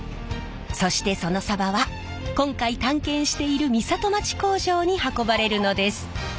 そしてそのさばは今回探検している美里町工場に運ばれるのです。